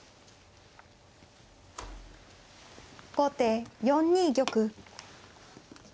後手４二玉。